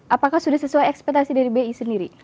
apakah sudah sesuai ekspetasi dari bi sendiri